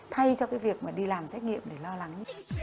thay cho cái việc mà đi làm xét nghiệm để lo lắng